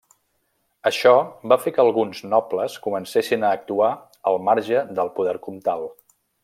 Això va fer que alguns nobles comencessin a actuar al marge del poder comtal.